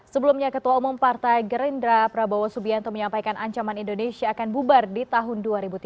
sebelumnya ketua umum partai gerindra prabowo subianto menyampaikan ancaman indonesia akan bubar di tahun dua ribu tiga puluh